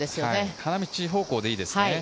花道方向でいいですね。